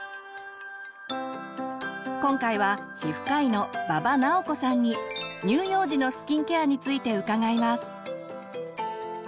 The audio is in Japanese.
今回は皮膚科医の馬場直子さんに乳幼児のスキンケアについて伺います。